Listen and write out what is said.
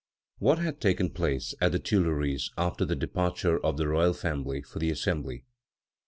What had taken place at the Tuileries after the departure of the royal family for the Assembly?